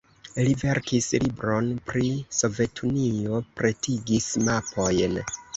Li verkis libron pri Sovetunio, pretigis mapojn.